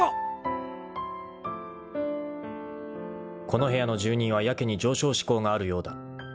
［この部屋の住人はやけに上昇志向があるようだ］